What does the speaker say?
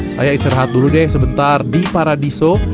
saya istirahat dulu deh sebentar di paradiso